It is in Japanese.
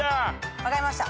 分かりました。